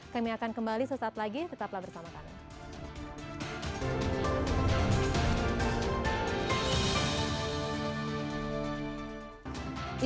kami akan kembali sesaat lagi tetaplah bersama kami